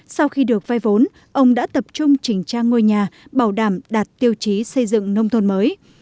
sau khi được vay vốn ông đã tập trung chỉnh trang ngôi nhà bảo đảm đạt tiêu chí xây dựng nông thôn mới